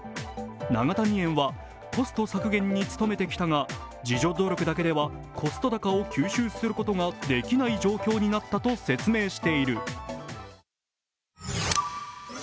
永谷園はコスト削減に努めてきたが自助努力だけではコスト高を吸収することができない状況になったと説明している。